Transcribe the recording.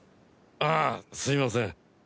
ああすみません